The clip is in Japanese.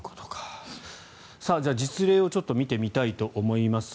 じゃあ、実例を見てみたいと思います。